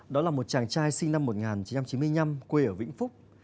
đó là một chàng trai sinh năm một nghìn chín trăm chín mươi năm quê ở vĩnh phúc